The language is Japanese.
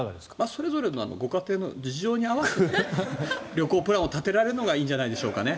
それぞれのご家庭の事情に合わせて旅行プランを立てられるのがいいんじゃないでしょうかね。